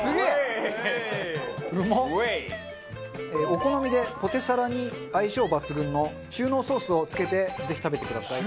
お好みでポテサラに相性抜群の中濃ソースをつけてぜひ食べてください。